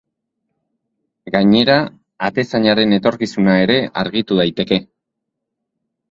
Gainera, atezainaren etorkizuna ere argitu daiteke.